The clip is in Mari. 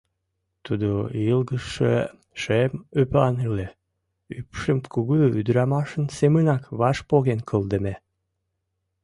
Тудо йылгыжше шем ӱпан ыле, ӱпшым кугу ӱдырамашын семынак ваш поген кылдыме.